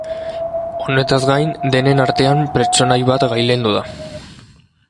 Honetaz gain, denen artean pertsonaia bat gailendu da.